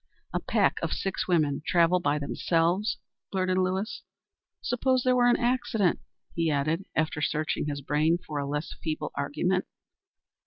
"A pack of six women travel by themselves?" blurted Lewis. "Suppose there were an accident?" he added, after searching his brain for a less feeble argument.